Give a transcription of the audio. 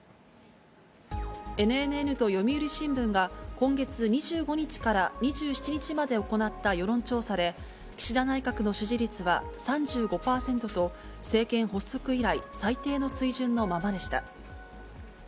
ＮＮＮと読売新聞が今月２５日から２７日まで行った世論調査で、岸田内閣の支持率は、３５％と、政権発足以来、最低の水準のままでした。